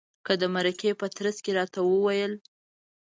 هغه د مرکې په ترڅ کې راته وویل.